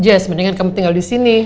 jazz mendingan kamu tinggal disini